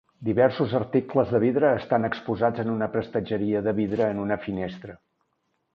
Diversos articles de vidre estan exposats en una prestatgeria de vidre en una finestra.